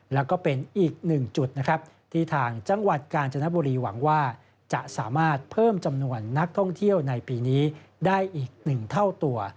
แล้วก็เป็นอีกหนึ่งจุดนะครับที่ทางจังหวัดกาญจนบุรีหวังว่าจะสามารถเพิ่มจำนวนนักท่องเที่ยวในปีนี้ได้อีก๑เท่าตัว